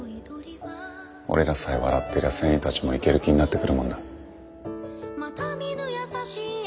俺らさえ笑ってりゃ船員たちもイケる気になってくるもんだ。